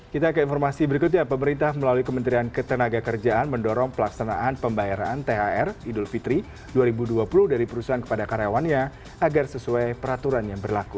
kita ke informasi berikutnya pemerintah melalui kementerian ketenaga kerjaan mendorong pelaksanaan pembayaran thr idul fitri dua ribu dua puluh dari perusahaan kepada karyawannya agar sesuai peraturan yang berlaku